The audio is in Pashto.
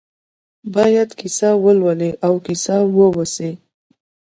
باید کیسه ولولي او کیسه واوسي.